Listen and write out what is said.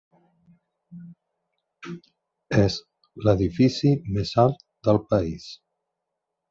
És l'edifici més alt del país.